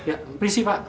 ya berisi pak